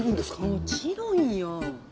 もちろんよ。